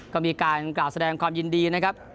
ก็มีการกล่าวแสดงความยินดีนะครับ